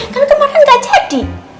kan kemarin gak jadi